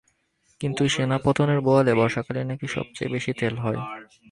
কিন্তু সোনাপোতার বোয়ালে বর্ষাকালেই নাকি সবচেয়ে বেশি তেল হয়।